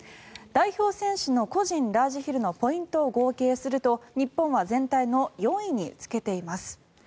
代表選手の個人ラージヒルの得点を合計すると日本は全体の４位につけています。